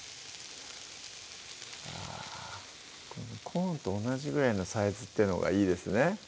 コーンと同じぐらいのサイズっていうのがいいですね